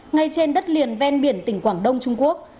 ngay trên đất liền ven biển tỉnh quảng đông trung quốc